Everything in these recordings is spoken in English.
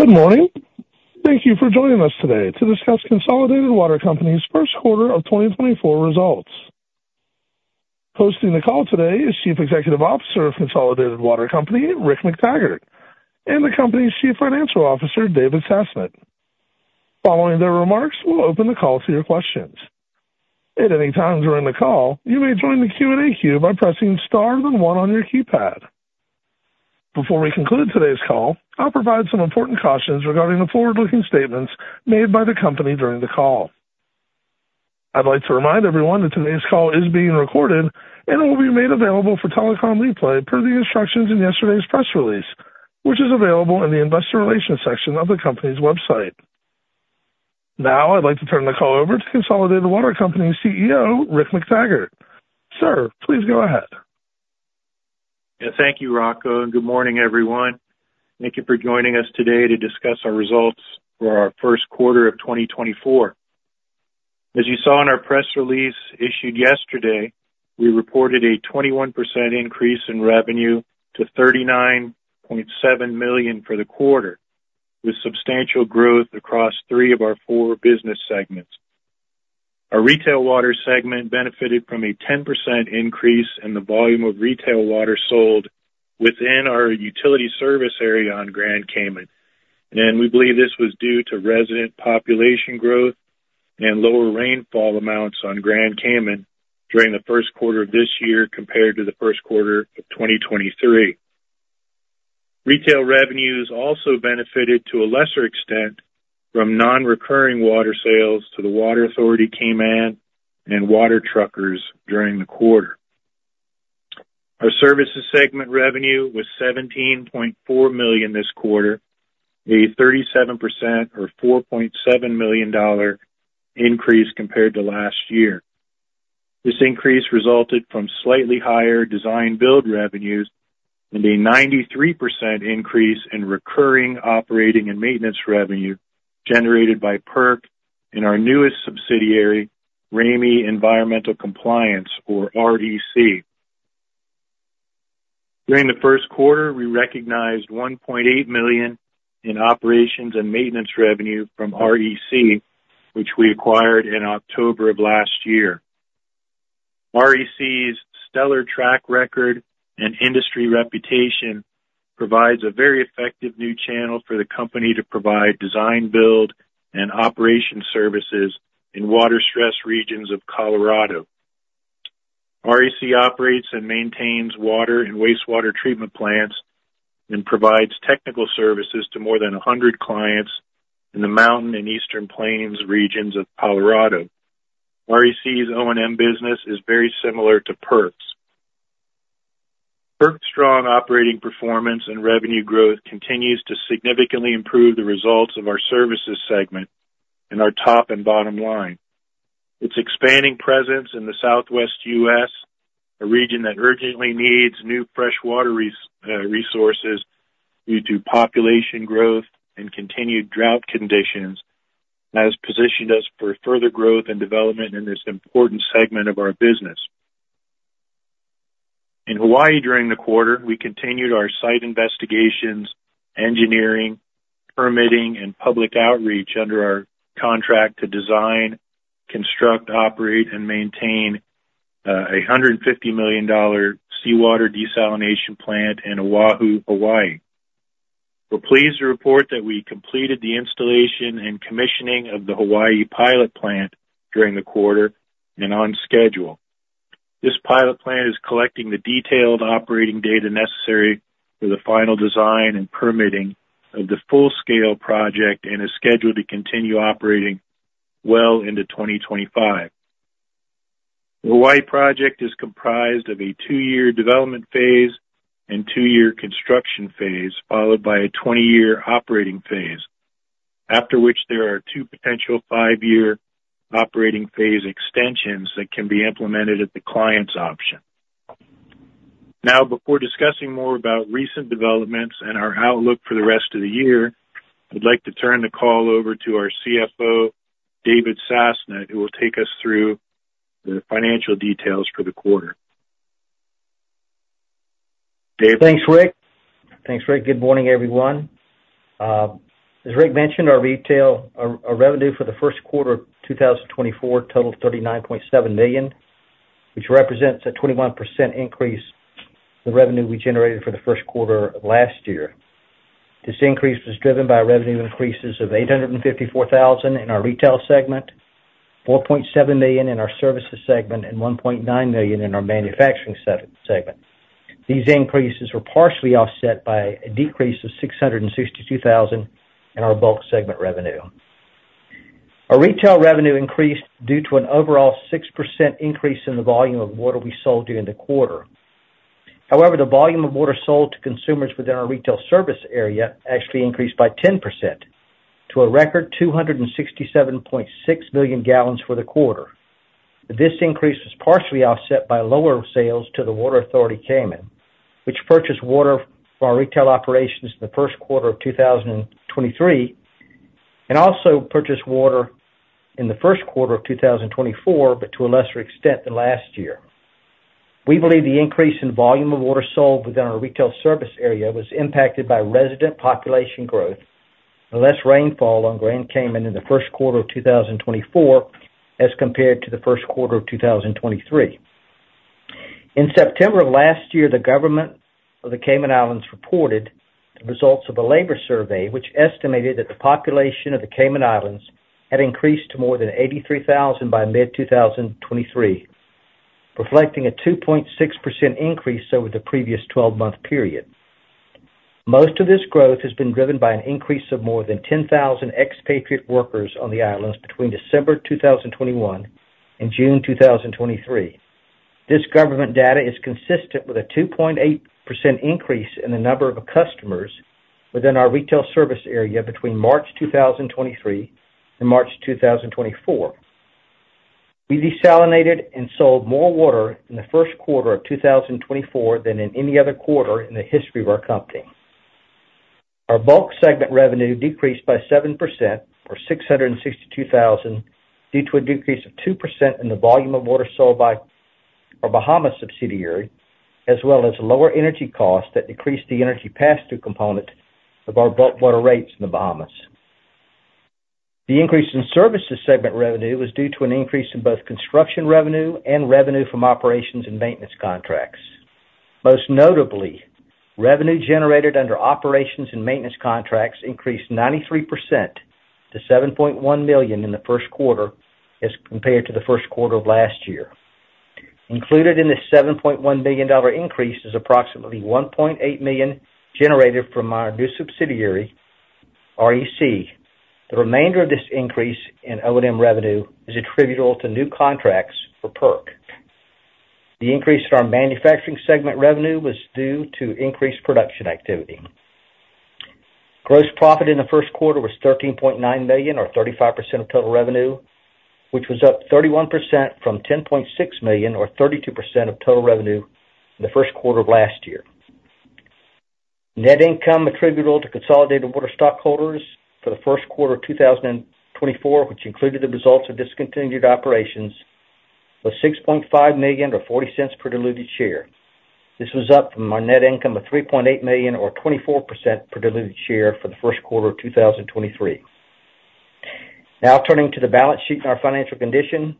Good morning. Thank you for joining us today to discuss Consolidated Water Company's first quarter of 2024 results. Hosting the call today is Chief Executive Officer of Consolidated Water Company, Rick McTaggart, and the company's Chief Financial Officer, David Sasnett. Following their remarks, we'll open the call to your questions. At any time during the call, you may join the Q&A queue by pressing Star then One on your keypad. Before we conclude today's call, I'll provide some important cautions regarding the forward-looking statements made by the company during the call. I'd like to remind everyone that today's call is being recorded and will be made available for telecom replay per the instructions in yesterday's press release, which is available in the investor relations section of the company's website. Now, I'd like to turn the call over to Consolidated Water Company's CEO, Rick McTaggart. Sir, please go ahead. Yeah, thank you, Rocco, and good morning, everyone. Thank you for joining us today to discuss our results for our first quarter of 2024. As you saw in our press release issued yesterday, we reported a 21% increase in revenue to $39.7 million for the quarter, with substantial growth across three of our four business segments. Our retail water segment benefited from a 10% increase in the volume of retail water sold within our utility service area on Grand Cayman, and we believe this was due to resident population growth and lower rainfall amounts on Grand Cayman during the first quarter of this year compared to the first quarter of 2023. Retail revenues also benefited, to a lesser extent, from non-recurring water sales to the Water Authority Cayman and water truckers during the quarter. Our services segment revenue was $17.4 million this quarter, a 37% or $4.7 million increase compared to last year. This increase resulted from slightly higher design build revenues and a 93% increase in recurring operating and maintenance revenue generated by PERC in our newest subsidiary, Ramey Environmental Compliance, or REC. During the first quarter, we recognized $1.8 million in operations and maintenance revenue from REC, which we acquired in October of last year. REC's stellar track record and industry reputation provides a very effective new channel for the company to provide design, build, and operation services in water-stressed regions of Colorado. REC operates and maintains water and wastewater treatment plants and provides technical services to more than 100 clients in the Mountain and Eastern Plains regions of Colorado. REC's O&M business is very similar to PERC's. PERC's strong operating performance and revenue growth continues to significantly improve the results of our services segment and our top and bottom line. Its expanding presence in the Southwest U.S., a region that urgently needs new fresh water resources due to population growth and continued drought conditions, has positioned us for further growth and development in this important segment of our business. In Hawaii during the quarter, we continued our site investigations, engineering, permitting, and public outreach under our contract to design, construct, operate, and maintain a $150 million seawater desalination plant in Oahu, Hawaii. We're pleased to report that we completed the installation and commissioning of the Hawaii pilot plant during the quarter and on schedule. This pilot plant is collecting the detailed operating data necessary for the final design and permitting of the full-scale project, and is scheduled to continue operating well into 2025. The Hawaii project is comprised of a two-year development phase and two-year construction phase, followed by a 20-year operating phase, after which there are two potential five-year operating phase extensions that can be implemented at the client's option. Now, before discussing more about recent developments and our outlook for the rest of the year, I'd like to turn the call over to our CFO, David Sasnett, who will take us through the financial details for the quarter. Dave? Thanks, Rick. Thanks, Rick. Good morning, everyone. As Rick mentioned, our revenue for the first quarter of 2024 totaled $39.7 million, which represents a 21% increase in revenue we generated for the first quarter of last year. This increase was driven by revenue increases of $854,000 in our retail segment, $4.7 million in our services segment, and $1.9 million in our manufacturing segment. These increases were partially offset by a decrease of $662,000 in our bulk segment revenue. Our retail revenue increased due to an overall 6% increase in the volume of water we sold during the quarter. However, the volume of water sold to consumers within our retail service area actually increased by 10% to a record 267.6 million gallons for the quarter. This increase was partially offset by lower sales to the Water Authority Cayman, which purchased water for our retail operations in the first quarter of 2023, and also purchased water in the first quarter of 2024, but to a lesser extent than last year. We believe the increase in volume of water sold within our retail service area was impacted by resident population growth and less rainfall on Grand Cayman in the first quarter of 2024, as compared to the first quarter of 2023. In September of last year, the government of the Cayman Islands reported the results of a labor survey, which estimated that the population of the Cayman Islands had increased to more than 83,000 by mid-2023, reflecting a 2.6% increase over the previous twelve-month period. Most of this growth has been driven by an increase of more than 10,000 expatriate workers on the islands between December 2021 and June 2023. This government data is consistent with a 2.8% increase in the number of customers within our retail service area between March 2023 and March 2024. We desalinated and sold more water in the first quarter of 2024 than in any other quarter in the history of our company. Our bulk segment revenue decreased by 7%, or $662,000, due to a decrease of 2% in the volume of water sold by our Bahamas subsidiary, as well as lower energy costs that decreased the energy pass-through component of our bulk water rates in the Bahamas. The increase in services segment revenue was due to an increase in both construction revenue and revenue from operations and maintenance contracts. Most notably, revenue generated under operations and maintenance contracts increased 93% to $7.1 million in the first quarter as compared to the first quarter of last year. Included in this $7.1 million dollar increase is approximately $1.8 million generated from our new subsidiary, REC. The remainder of this increase in O&M revenue is attributable to new contracts for PERC. The increase in our manufacturing segment revenue was due to increased production activity. Gross profit in the first quarter was $13.9 million, or 35% of total revenue, which was up 31% from $10.6 million, or 32% of total revenue in the first quarter of last year. Net income attributable to Consolidated Water stockholders for the first quarter of 2024, which included the results of discontinued operations, was $6.5 million, or $0.40 per diluted share. This was up from our net income of $3.8 million, or twenty-four percent per diluted share for the first quarter of 2023. Now turning to the balance sheet and our financial condition.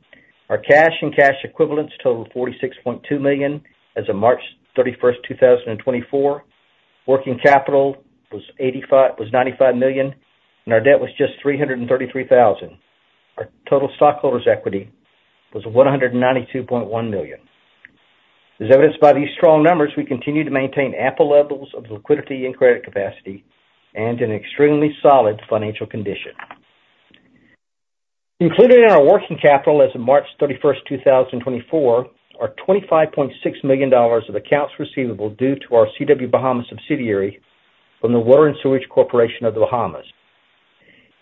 Our cash and cash equivalents totaled $46.2 million as of March 31, 2024. Working capital was $95 million, and our debt was just $333,000. Our total stockholders' equity was $192.1 million. As evidenced by these strong numbers, we continue to maintain ample levels of liquidity and credit capacity and an extremely solid financial condition. Included in our working capital as of March 31st, 2024, are $25.6 million of accounts receivable due to our CW Bahamas subsidiary from the Water and Sewerage Corporation of The Bahamas.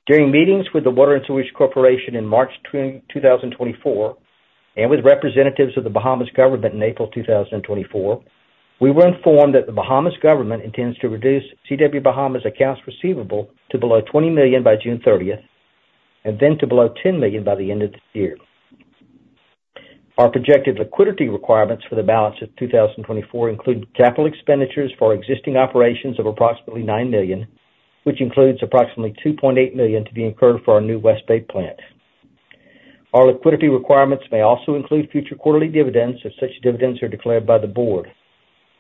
During meetings with the Water and Sewerage Corporation in March 2024, and with representatives of the Bahamas government in April 2024, we were informed that the Bahamas government intends to reduce CW Bahamas accounts receivable to below $20 million by June 30th, and then to below $10 million by the end of the year. Our projected liquidity requirements for the balance of 2024 include capital expenditures for existing operations of approximately $9 million, which includes approximately $2.8 million to be incurred for our new West Bay plant. Our liquidity requirements may also include future quarterly dividends, if such dividends are declared by the board.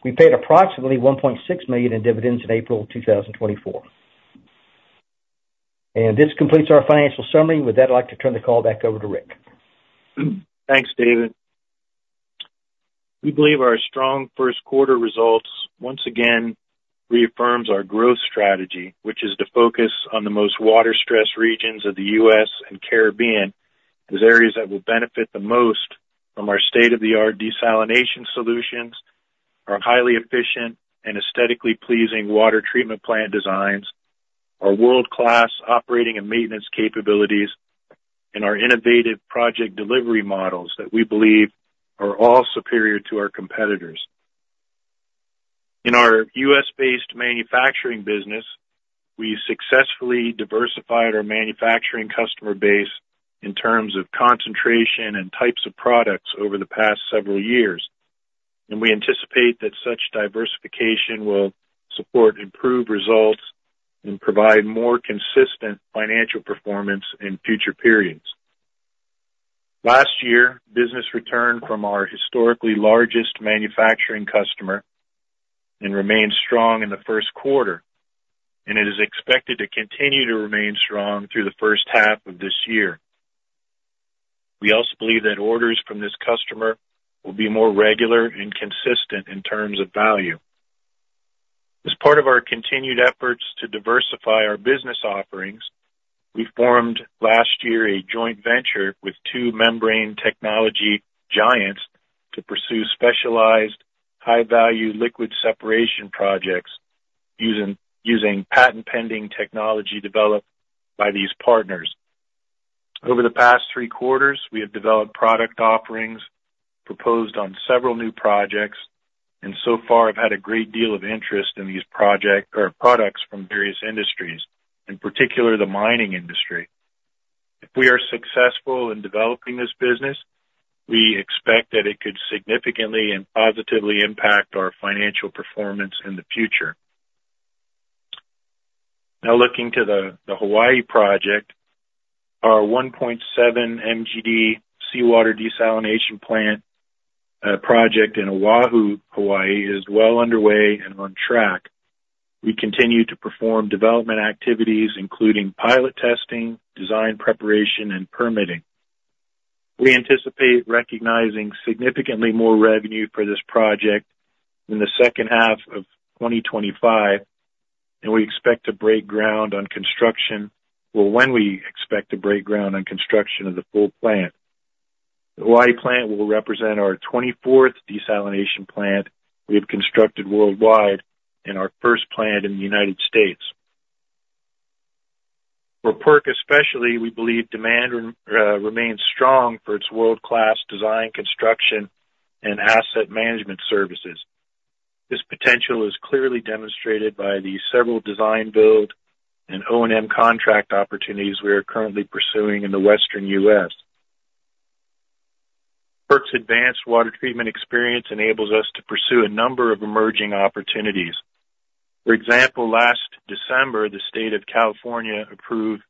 We paid approximately $1.6 million in dividends in April 2024. This completes our financial summary. With that, I'd like to turn the call back over to Rick. Thanks, David. We believe our strong first quarter results once again reaffirms our growth strategy, which is to focus on the most water-stressed regions of the U.S. and Caribbean, as areas that will benefit the most from our state-of-the-art desalination solutions, our highly efficient and aesthetically pleasing water treatment plant designs, our world-class operating and maintenance capabilities, and our innovative project delivery models that we believe are all superior to our competitors. In our U.S.-based manufacturing business, we successfully diversified our manufacturing customer base in terms of concentration and types of products over the past several years, and we anticipate that such diversification will support improved results and provide more consistent financial performance in future periods. Last year, business returned from our historically largest manufacturing customer and remained strong in the first quarter, and it is expected to continue to remain strong through the first half of this year. We also believe that orders from this customer will be more regular and consistent in terms of value. As part of our continued efforts to diversify our business offerings, we formed last year a joint venture with two membrane technology giants to pursue specialized, high-value liquid separation projects using patent-pending technology developed by these partners. Over the past three quarters, we have developed product offerings, proposed on several new projects, and so far have had a great deal of interest in these projects or products from various industries, in particular, the mining industry. If we are successful in developing this business, we expect that it could significantly and positively impact our financial performance in the future. Now, looking to the Hawaii project, our 1.7 MGD seawater desalination plant project in Oahu, Hawaii, is well underway and on track. We continue to perform development activities, including pilot testing, design, preparation, and permitting. We anticipate recognizing significantly more revenue for this project in the second half of 2025, and we expect to break ground on construction, well, when we expect to break ground on construction of the full plant. The Hawaii plant will represent our 24th desalination plant we have constructed worldwide, and our first plant in the United States. For PERC especially, we believe demand remains strong for its world-class design, construction, and asset management services. This potential is clearly demonstrated by the several design, build, and O&M contract opportunities we are currently pursuing in the Western U.S. PERC's advanced water treatment experience enables us to pursue a number of emerging opportunities. For example, last December, the state of California approved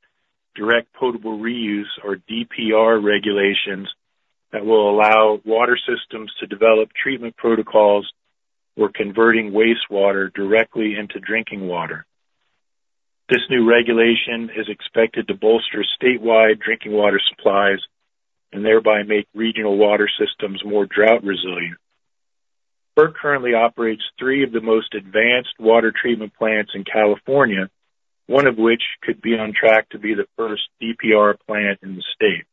direct potable reuse, or DPR, regulations that will allow water systems to develop treatment protocols for converting wastewater directly into drinking water. This new regulation is expected to bolster statewide drinking water supplies and thereby make regional water systems more drought resilient. PERC currently operates three of the most advanced water treatment plants in California, one of which could be on track to be the first DPR plant in the state.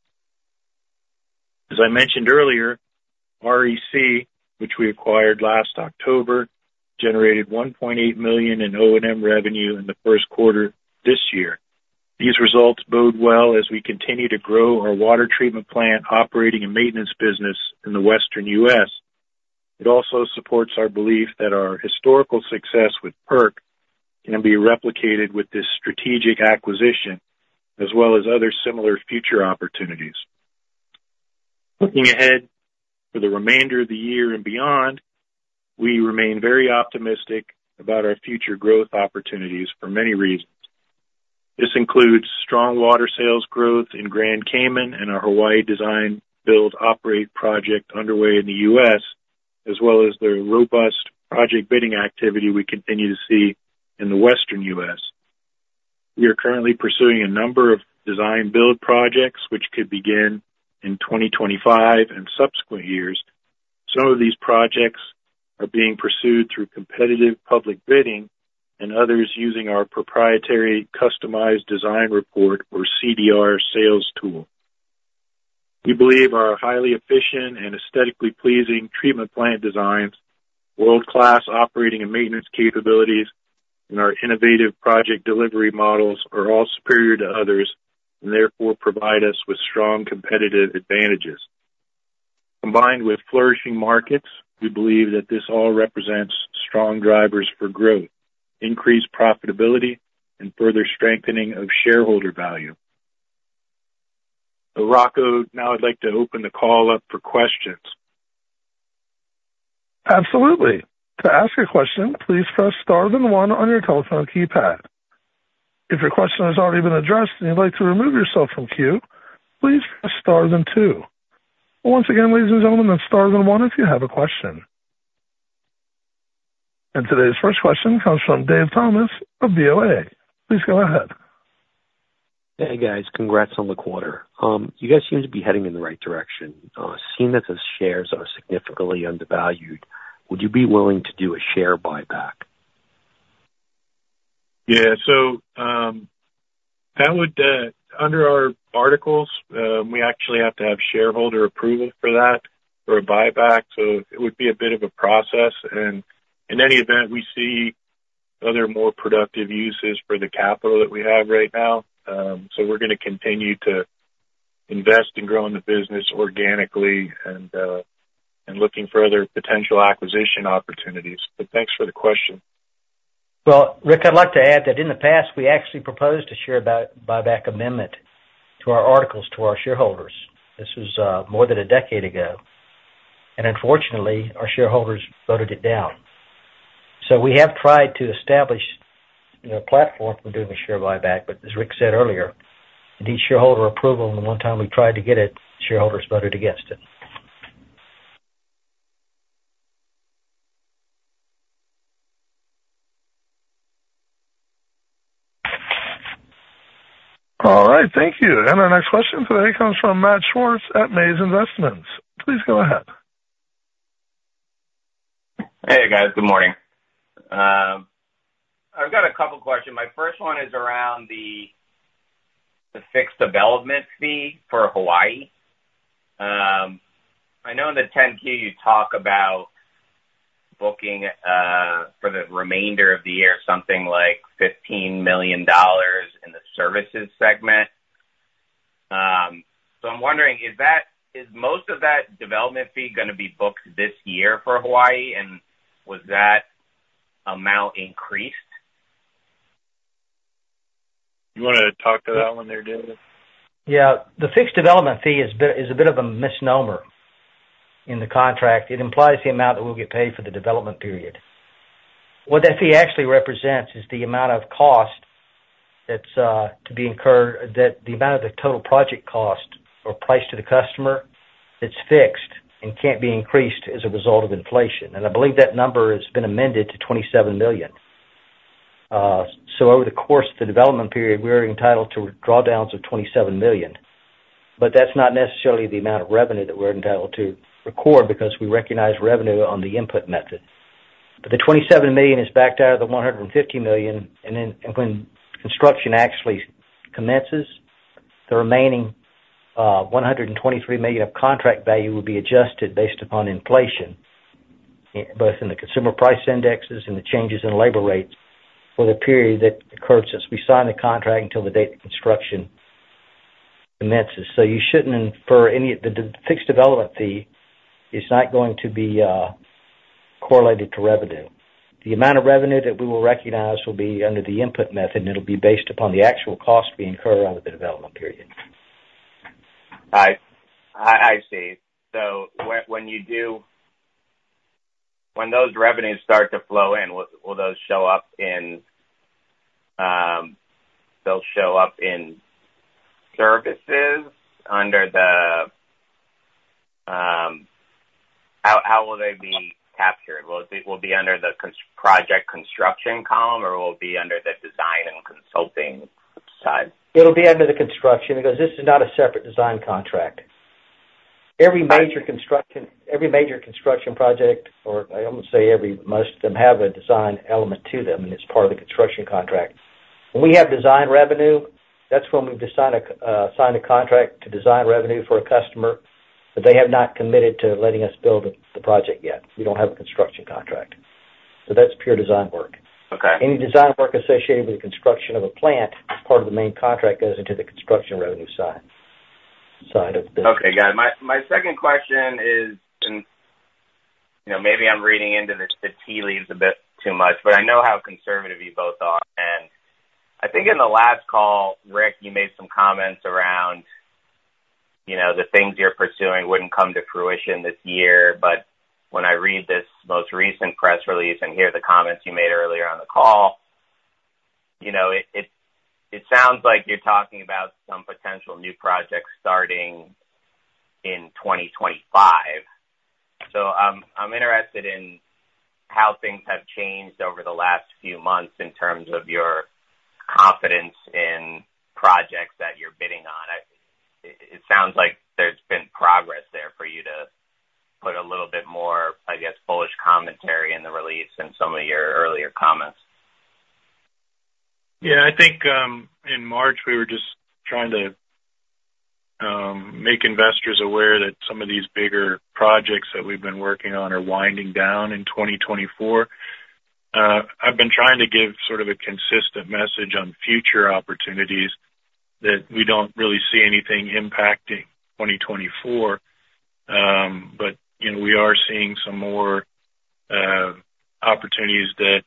As I mentioned earlier, REC, which we acquired last October, generated $1.8 million in O&M revenue in the first quarter this year. These results bode well as we continue to grow our water treatment plant operating and maintenance business in the Western U.S. It also supports our belief that our historical success with PERC can be replicated with this strategic acquisition, as well as other similar future opportunities. Looking ahead for the remainder of the year and beyond, we remain very optimistic about our future growth opportunities for many reasons. This includes strong water sales growth in Grand Cayman and our Hawaii design, build, operate project underway in the U.S., as well as the robust project bidding activity we continue to see in the Western U.S. We are currently pursuing a number of design build projects, which could begin in 2025 and subsequent years. Some of these projects are being pursued through competitive public bidding and others using our proprietary customized design report, or CDR, sales tool. We believe our highly efficient and aesthetically pleasing treatment plant designs, world-class operating and maintenance capabilities, and our innovative project delivery models are all superior to others and therefore provide us with strong competitive advantages. Combined with flourishing markets, we believe that this all represents strong drivers for growth, increased profitability, and further strengthening of shareholder value. So Rocco, now I'd like to open the call up for questions. Absolutely. To ask a question, please press star then one on your telephone keypad. If your question has already been addressed and you'd like to remove yourself from queue, please press star then two. Once again, ladies and gentlemen, press star then one if you have a question. Today's first question comes from Dave Thomas of BOA. Please go ahead. Hey, guys. Congrats on the quarter. You guys seem to be heading in the right direction. Seeing that the shares are significantly undervalued, would you be willing to do a share buyback? Yeah. So, that would, under our articles, we actually have to have shareholder approval for that, for a buyback, so it would be a bit of a process. And in any event, we see other more productive uses for the capital that we have right now. So we're gonna continue to invest in growing the business organically and looking for other potential acquisition opportunities. But thanks for the question. Well, Rick, I'd like to add that in the past, we actually proposed a share buyback amendment to our articles to our shareholders. This was, more than a decade ago, and unfortunately, our shareholders voted it down. So we have tried to establish a platform for doing a share buyback, but as Rick said earlier, need shareholder approval, and the one time we tried to get it, shareholders voted against it. All right. Thank you. And our next question today comes from Matt Swartz at Maze Investments. Please go ahead. Hey, guys. Good morning. I've got a couple questions. My first one is around the fixed development fee for Hawaii. I know in the 10-K you talk about booking for the remainder of the year something like $15 million in the services segment. So I'm wondering, is most of that development fee gonna be booked this year for Hawaii, and was that increased? You want to talk to that one there, David? Yeah, the fixed development fee is a bit of a misnomer in the contract. It implies the amount that we'll get paid for the development period. What that fee actually represents is the amount of cost that's to be incurred, that the amount of the total project cost or price to the customer, it's fixed and can't be increased as a result of inflation. And I believe that number has been amended to $27 million. So over the course of the development period, we're entitled to drawdowns of $27 million. But that's not necessarily the amount of revenue that we're entitled to record, because we recognize revenue on the input method. But the $27 million is backed out of the $150 million, and then, when construction actually commences, the remaining $123 million of contract value will be adjusted based upon inflation, both in the consumer price indexes and the changes in labor rates for the period that occurs as we sign the contract until the date of construction commences. So you shouldn't infer any of the fixed development fee is not going to be correlated to revenue. The amount of revenue that we will recognize will be under the input method, and it'll be based upon the actual costs we incur on the development period. I see. So when you do, when those revenues start to flow in, will those show up in they'll show up in services under the, how will they be captured? Will it be under the project construction column, or will it be under the design and consulting side? It'll be under the construction, because this is not a separate design contract. Every major construction, every major construction project, or I won't say every, most of them have a design element to them, and it's part of the construction contract. When we have design revenue, that's when we've decided, signed a contract to design revenue for a customer, but they have not committed to letting us build the, the project yet. We don't have a construction contract. So that's pure design work. Okay. Any design work associated with the construction of a plant, as part of the main contract, goes into the construction revenue side of the business. Okay, got it. My second question is, and, you know, maybe I'm reading into this, the tea leaves a bit too much, but I know how conservative you both are. And I think in the last call, Rick, you made some comments around, you know, the things you're pursuing wouldn't come to fruition this year. But when I read this most recent press release and hear the comments you made earlier on the call, you know, it sounds like you're talking about some potential new projects starting in 2025. So, I'm interested in how things have changed over the last few months in terms of your confidence in projects that you're bidding on. It sounds like there's been progress there for you to put a little bit more, I guess, bullish commentary in the release in some of your earlier comments. Yeah, I think, in March, we were just trying to make investors aware that some of these bigger projects that we've been working on are winding down in 2024. I've been trying to give sort of a consistent message on future opportunities that we don't really see anything impacting 2024. But, you know, we are seeing some more opportunities that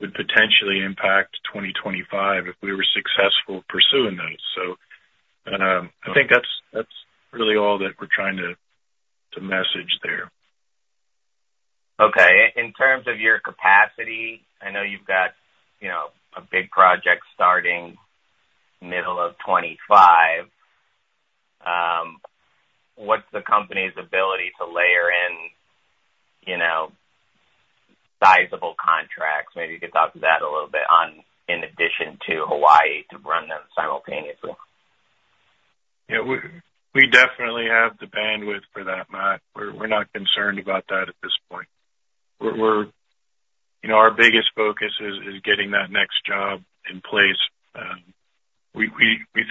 would potentially impact 2025 if we were successful pursuing those. So, and, I think that's, that's really all that we're trying to message there. Okay. In terms of your capacity, I know you've got, you know, a big project starting middle of 25. What's the company's ability to layer in, you know, sizable contracts? Maybe you could talk to that a little bit on, in addition to Hawaii, to run them simultaneously. Yeah, we definitely have the bandwidth for that, Matt. We're not concerned about that at this point. We're, you know, our biggest focus is getting that next job in place. We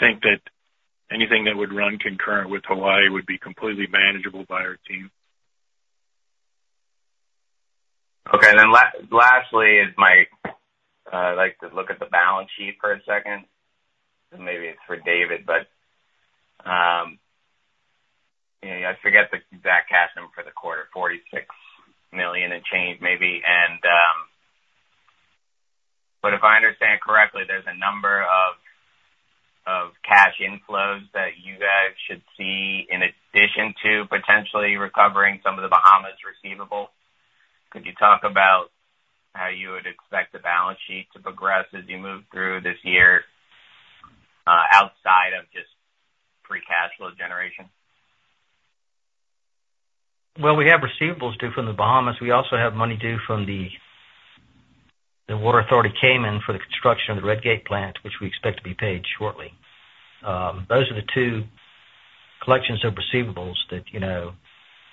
think that anything that would run concurrent with Hawaii would be completely manageable by our team. Okay. Then lastly is my, I'd like to look at the balance sheet for a second. Maybe it's for David, but, you know, I forget the exact cash number for the quarter, $46 million and change, maybe. But if I understand correctly, there's a number of cash inflows that you guys should see in addition to potentially recovering some of the Bahamas receivable. Could you talk about how you would expect the balance sheet to progress as you move through this year, outside of just free cash flow generation? Well, we have receivables due from the Bahamas. We also have money due from the Water Authority-Cayman for the construction of the Red Gate plant, which we expect to be paid shortly. Those are the two collections of receivables that, you know,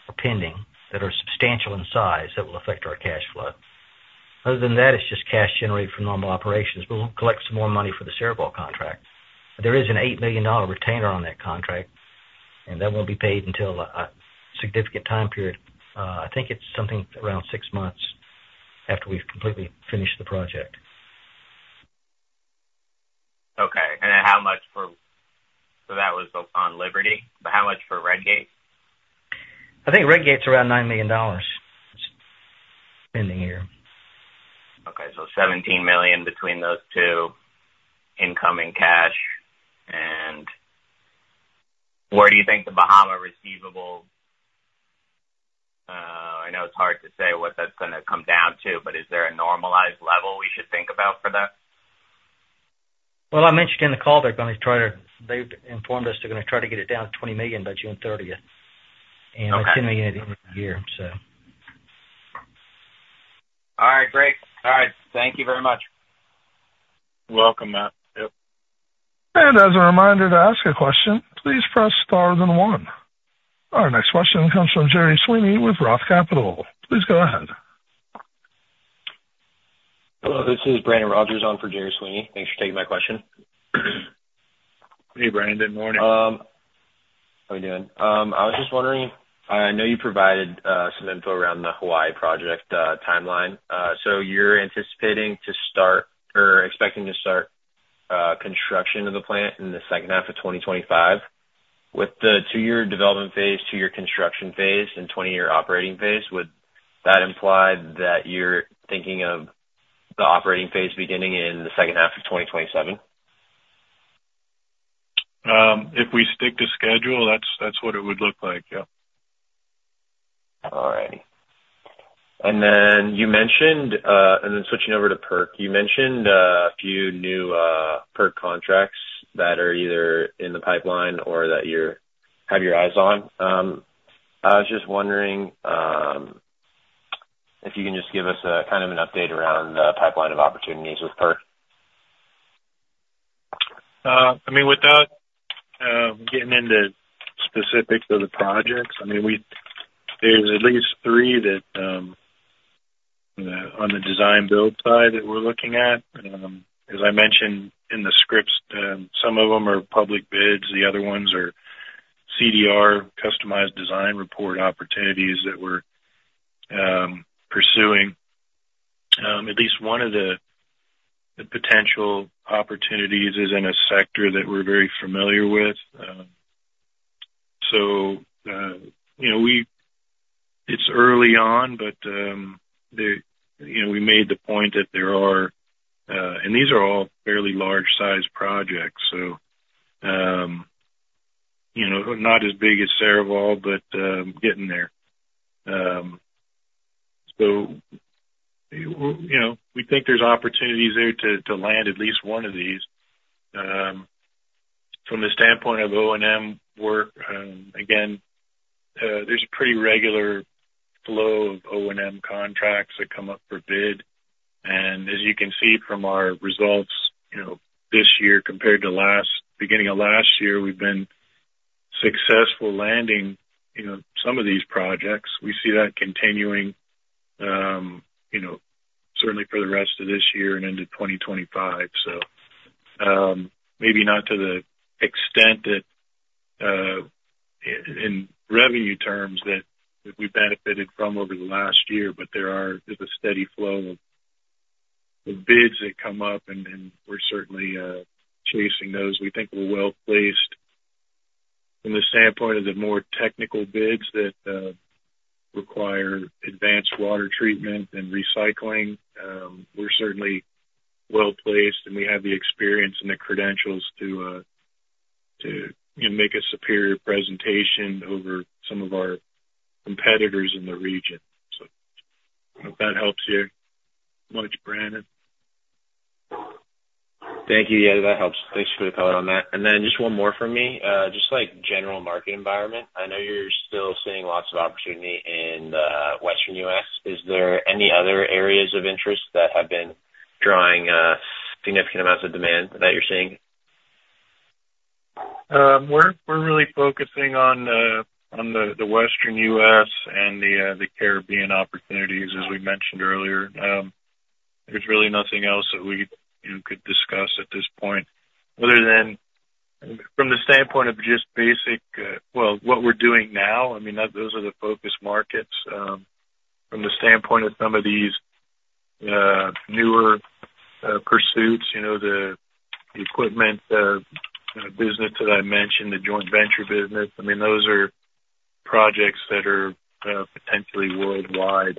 are pending, that are substantial in size, that will affect our cash flow. Other than that, it's just cash generated from normal operations. We'll collect some more money for the Liberty contract. There is an $8 million retainer on that contract, and that won't be paid until a significant time period. I think it's something around six months after we've completely finished the project. Okay and how much on Liberty, but how much for Red Gate? I think Red Gate's around $9 million in the year. Okay. So $17 million between those two incoming cash. And where do you think the Bahamas receivable, I know it's hard to say what that's gonna come down to, but is there a normalized level we should think about for that? Well, I mentioned in the call they're gonna try to, they've informed us they're gonna try to get it down to $20 million by June thirtieth. Okay. $10 million a year, so. All right, great. All right. Thank you very much. You're welcome, Matt. Yep. As a reminder, to ask a question, please press star then one. Our next question comes from Gerry Sweeney with Roth Capital. Please go ahead. Hello, this is Brandon Rogers on for Gerry Sweeney. Thanks for taking my question. Hey, Brandon. Good morning. How are you doing? I was just wondering, I know you provided some info around the Hawaii project timeline. So you're anticipating to start or expecting to start construction of the plant in the second half of 2025. With the two-year development phase, two-year construction phase, and 20-year operating phase, would that imply that you're thinking of the operating phase beginning in the second half of 2027? If we stick to schedule, that's what it would look like. Yeah. All right. And then switching over to PERC, you mentioned a few new PERC contracts that are either in the pipeline or that you have your eyes on. I was just wondering if you can just give us a kind of an update around the pipeline of opportunities with PERC. I mean, without getting into specifics of the projects, I mean, there's at least three that on the design build side that we're looking at. As I mentioned in the scripts, some of them are public bids, the other ones are CDR, customized design report opportunities that we're pursuing. At least one of the potential opportunities is in a sector that we're very familiar with. So, you know, it's early on, but, you know, we made the point that there are, and these are all fairly large-sized projects, so, you know, not as big as Liberty, but, getting there. So, you know, we think there's opportunities there to land at least one of these. From the standpoint of O&M work, again, there's a pretty regular flow of O&M contracts that come up for bid. As you can see from our results, you know, this year compared to last, beginning of last year, we've been successful landing, you know, some of these projects. We see that continuing, you know, certainly for the rest of this year and into 2025. Maybe not to the extent that, in revenue terms that we benefited from over the last year, but there is a steady flow of the bids that come up, and we're certainly chasing those. We think we're well placed from the standpoint of the more technical bids that require advanced water treatment and recycling. We're certainly well placed, and we have the experience and the credentials to, you know, make a superior presentation over some of our competitors in the region. So I hope that helps you much, Brandon. Thank you. Yeah, that helps. Thanks for the color on that. And then just one more from me. Just like general market environment, I know you're still seeing lots of opportunity in the Western U.S. Is there any other areas of interest that have been drawing significant amounts of demand that you're seeing? We're really focusing on the Western U.S. and the Caribbean opportunities, as we mentioned earlier. There's really nothing else that we, you know, could discuss at this point, other than from the standpoint of just basic, well, what we're doing now, I mean, those are the focus markets. From the standpoint of some of these newer pursuits, you know, the equipment business that I mentioned, the joint venture business, I mean, those are projects that are potentially worldwide.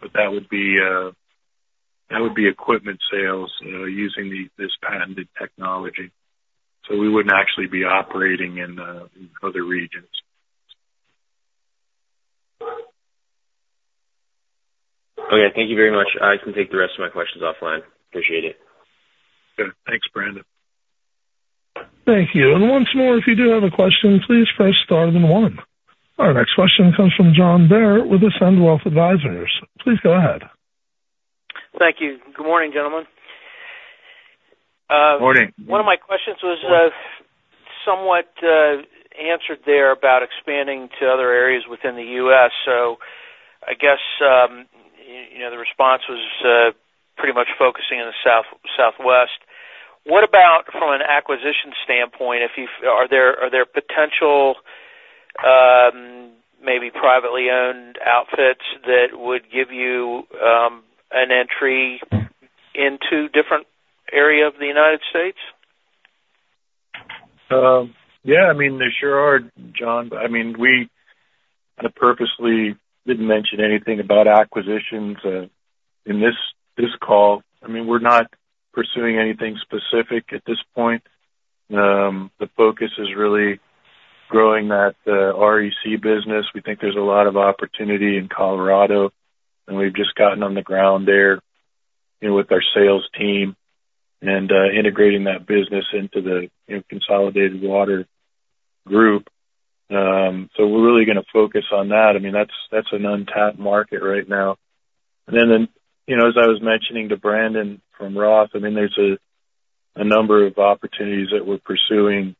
But that would be equipment sales using this patented technology. So we wouldn't actually be operating in other regions. Okay, thank you very much. I can take the rest of my questions offline. Appreciate it. Good. Thanks, Brandon. Thank you. Once more, if you do have a question, please press star then one. Our next question comes from John Bair with Ascend Wealth Advisors. Please go ahead. Thank you. Good morning, gentlemen. Morning. One of my questions was somewhat answered there about expanding to other areas within the U.S., so I guess, you know, the response was pretty much focusing on the Southwest. What about from an acquisition standpoint, if you, are there, are there potential maybe privately owned outfits that would give you an entry into different area of the United States? Yeah, I mean, there sure are, John. I mean, we kind of purposely didn't mention anything about acquisitions in this call. I mean, we're not pursuing anything specific at this point. The focus is really growing that REC business. We think there's a lot of opportunity in Colorado, and we've just gotten on the ground there, you know, with our sales team and integrating that business into the, you know, Consolidated Water group. So we're really gonna focus on that. I mean, that's an untapped market right now. And then, you know, as I was mentioning to Brandon from Roth, I mean, there's a number of opportunities that we're pursuing,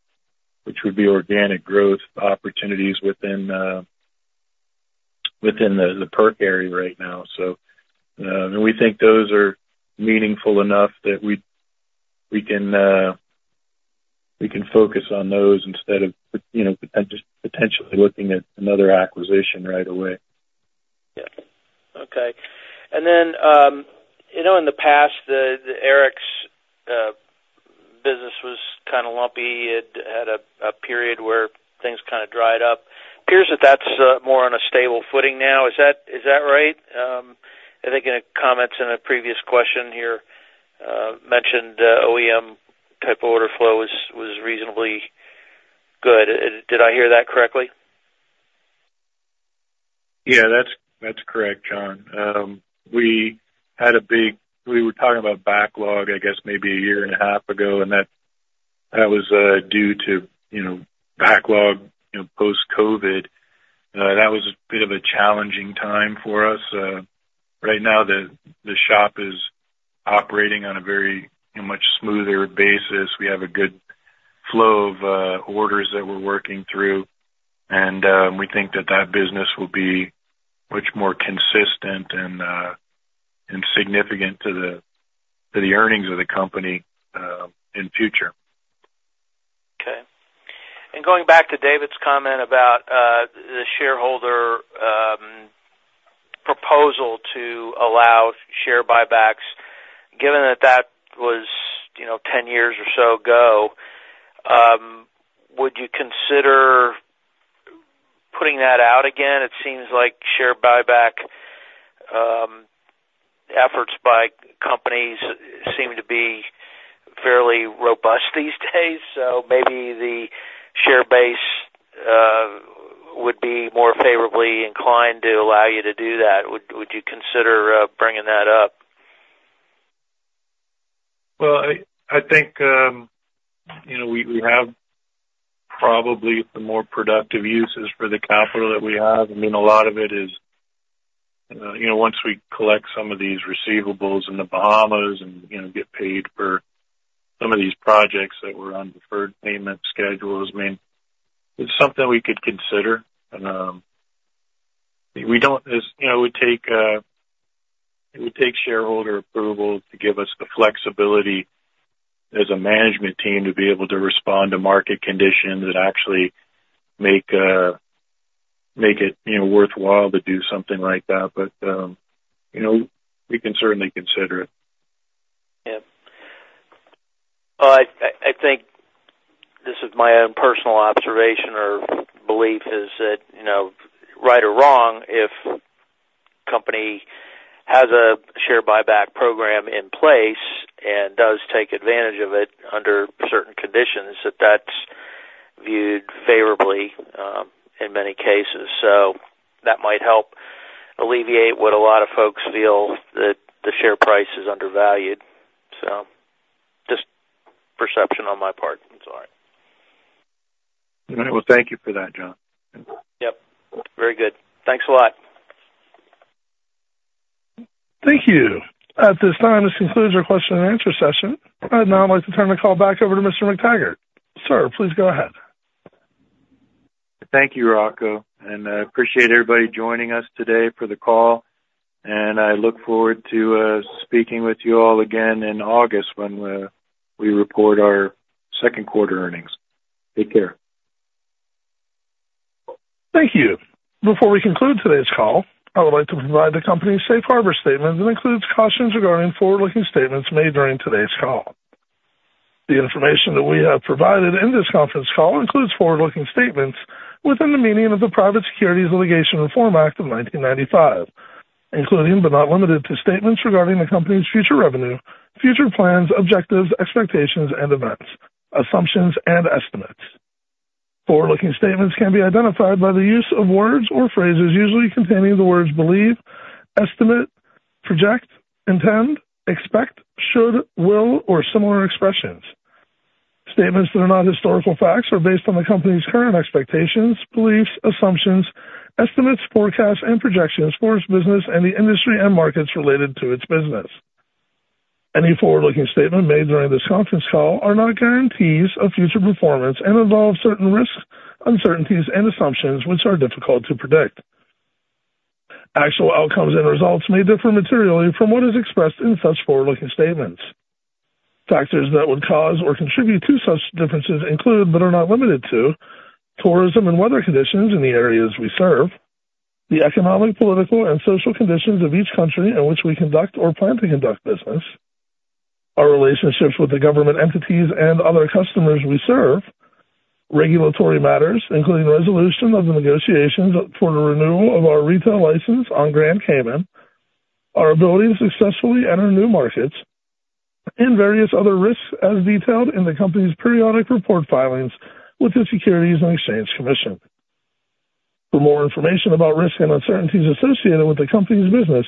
which would be organic growth opportunities within the PERC area right now. We think those are meaningful enough that we can focus on those instead of, you know, potentially looking at another acquisition right away. Yeah. Okay. And then, you know, in the past, the PERC's business was kind of lumpy. It had a period where things kind of dried up. Appears that that's more on a stable footing now. Is that right? I think in the comments in a previous question here, mentioned, O&M type of order flow was reasonably good. Did I hear that correctly? Yeah, that's correct, John. We were talking about backlog, I guess, maybe a year and a half ago, and that was due to, you know, backlog, you know, post-COVID. Right now, the shop is operating on a much smoother basis. We have a good flow of orders that we're working through, and we think that business will be much more consistent and significant to the earnings of the company in future. Okay. And going back to David's comment about the shareholder proposal to allow share buybacks, given that that was, you know, 10 years or so ago, would you consider putting that out again? It seems like share buyback efforts by companies seem to be fairly robust these days, so maybe the share base would be more favorably inclined to allow you to do that. Would you consider bringing that up? Well, I think, you know, we have probably the more productive uses for the capital that we have. I mean, a lot of it is, you know, once we collect some of these receivables in the Bahamas and, you know, get paid for some of these projects that were on deferred payment schedules, I mean, it's something we could consider. And, we don't, as you know, it would take, it would take shareholder approval to give us the flexibility as a management team to be able to respond to market conditions that actually make, make it, you know, worthwhile to do something like that. But, you know, we can certainly consider it. Yeah. Well, I, I think this is my own personal observation or belief, is that, you know, right or wrong, if company has a share buyback program in place and does take advantage of it under certain conditions, that that's viewed favorably, in many cases. So that might help alleviate what a lot of folks feel that the share price is undervalued. So just perception on my part. It's all right. Well, thank you for that, John. Yep, very good. Thanks a lot. Thank you. At this time, this concludes our question and answer session. I'd now like to turn the call back over to Mr. McTaggart. Sir, please go ahead. Thank you, Rocco, and I appreciate everybody joining us today for the call, and I look forward to speaking with you all again in August, when we report our second quarter earnings. Take care. Thank you. Before we conclude today's call, I would like to provide the company's safe harbor statement that includes cautions regarding forward-looking statements made during today's call. The information that we have provided in this conference call includes forward-looking statements within the meaning of the Private Securities Litigation Reform Act of 1995, including, but not limited to, statements regarding the company's future revenue, future plans, objectives, expectations and events, assumptions and estimates. Forward-looking statements can be identified by the use of words or phrases usually containing the words believe, estimate, project, intend, expect, should, will, or similar expressions. Statements that are not historical facts are based on the company's current expectations, beliefs, assumptions, estimates, forecasts and projections for its business and the industry and markets related to its business. Any forward-looking statement made during this conference call are not guarantees of future performance and involve certain risks, uncertainties and assumptions which are difficult to predict. Actual outcomes and results may differ materially from what is expressed in such forward-looking statements. Factors that would cause or contribute to such differences include, but are not limited to, tourism and weather conditions in the areas we serve, the economic, political and social conditions of each country in which we conduct or plan to conduct business, our relationships with the government entities and other customers we serve, regulatory matters, including resolution of the negotiations for the renewal of our retail license on Grand Cayman, our ability to successfully enter new markets, and various other risks as detailed in the company's periodic report filings with the Securities and Exchange Commission. For more information about risks and uncertainties associated with the company's business,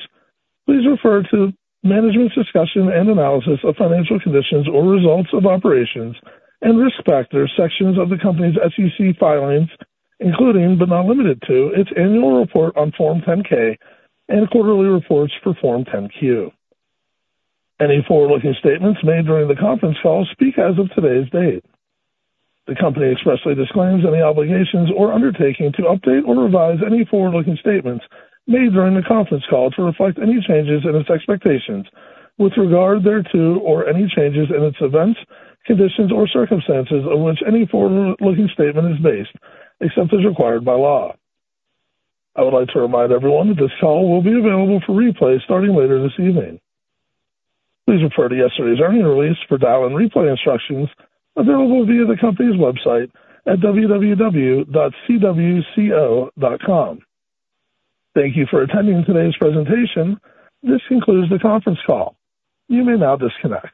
please refer to management's discussion and analysis of financial condition and results of operations and risk factors sections of the company's SEC filings, including, but not limited to, its annual report on Form 10-K and quarterly reports on Form 10-Q. Any forward-looking statements made during the conference call speak as of today's date. The company expressly disclaims any obligations or undertaking to update or revise any forward-looking statements made during the conference call to reflect any changes in its expectations with regard thereto, or any changes in its events, conditions or circumstances on which any forward-looking statement is based, except as required by law. I would like to remind everyone that this call will be available for replay starting later this evening. Please refer to yesterday's earnings release for dial and replay instructions available via the company's website at www.cwco.com. Thank you for attending today's presentation. This concludes the conference call. You may now disconnect.